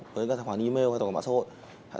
với các tài khoản email hay tài khoản mạng xã hội